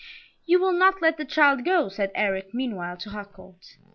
"You will not let the child go?" said Eric, meanwhile, to Harcourt.